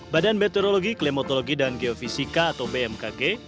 badan meteorologi klimatologi dan geofisika atau bmkg